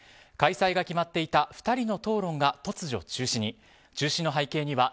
開催が決まっていた２人の討論が突如中止に。